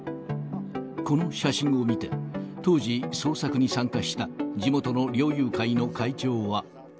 この写真を見て当時、捜索に参加した地元の猟友会の会長は。